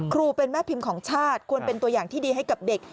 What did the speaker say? เป็นแม่พิมพ์ของชาติควรเป็นตัวอย่างที่ดีให้กับเด็ก